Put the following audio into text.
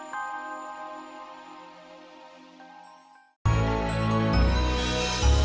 tapi aku bisa kukeschict ritual rumahku